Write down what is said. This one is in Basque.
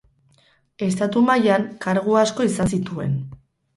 Estatu mailan kargu asko izan zituen.